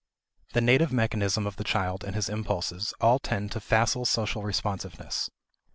The native mechanism of the child and his impulses all tend to facile social responsiveness.